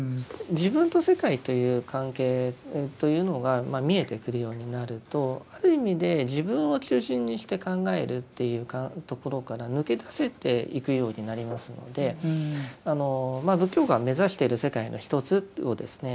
自分と世界という関係というのが見えてくるようになるとある意味で自分を中心にして考えるというところから抜け出せていくようになりますので仏教が目指してる世界の一つをですね